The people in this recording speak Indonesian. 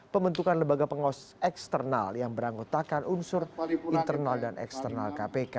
pembentukan lembaga pengawas eksternal yang beranggotakan unsur internal dan eksternal kpk